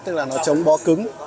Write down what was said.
tức là nó chống bó cứng